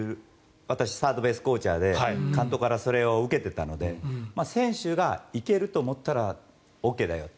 私、サードベースコーチャーで監督からそれを受けていたので選手が行けると思ったらＯＫだよ。